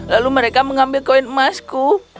lalu mereka mengambil koin emasku